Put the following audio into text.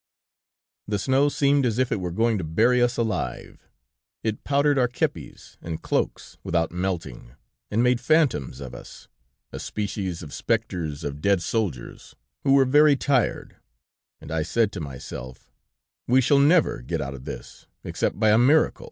"The snow seemed as if it were going to bury us alive; it powdered our kepis and cloaks without melting, and made phantoms of us, a species of specters of dead soldiers, who were very tired, and I said to myself: 'We shall never get out of this, except by a miracle.'